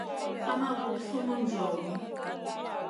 Sa ma guɗ sumun zawni.